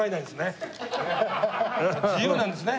自由なんですね。